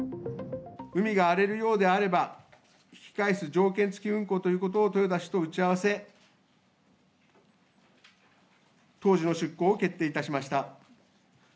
海が荒れるようであれば、引き返す条件付き運航ということを豊田氏と打ち合わせ、当時の出航を決定いたしました。